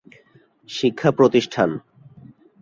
শিক্ষা প্রতিষ্ঠান